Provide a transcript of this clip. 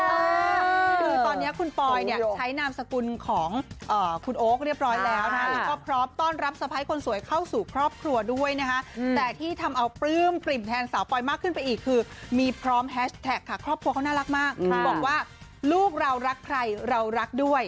คือตอนนี้คุณปอยเนี่ยใช้นามสกุลของคุณโอ๊คเรียบร้อยแล้วนะแล้วก็พร้อมต้อนรับสะพ้ายคนสวยเข้าสู่ครอบครัวด้วยนะคะแต่ที่ทำเอาปลื้มปริ่มแทนสาวปอยมากขึ้นไปอีกคือมีพร้อมแฮชแท็กค่ะครอบครัวเขาน่ารักมากบอกว่าลูกเรารักใครเรารักด้วย